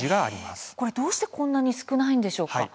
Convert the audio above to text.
どうしてこんなに少ないんでしょうか。